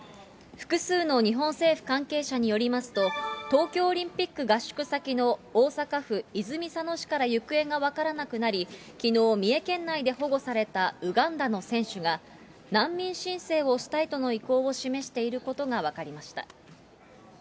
複数の日本政府関係者によりますと、東京オリンピック合宿先の、大阪府泉佐野市から行方が分からなくなり、きのう、三重県内で保護されたウガンダの選手が、難民申請をしたいとの意向を示していることが分かりました。